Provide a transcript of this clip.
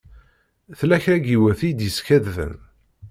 Tella kra n yiwet i d-yeskadben.